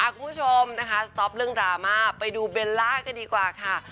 คุณผู้ชมนะคะสต๊อปเรื่องดราม่าไปดูเบลล่ากันดีกว่าค่ะ